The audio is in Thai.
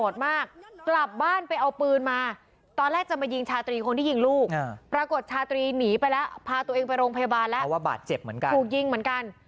แต่ว่าบาดเจ็บเหมือนกัน